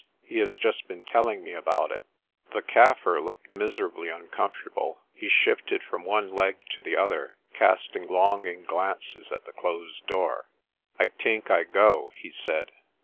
He has just been telling me about it." The Kaffir looked miserably uncomfortable. He shifted from one leg to the other, casting longing glances at the closed door. "I tink I go," he said.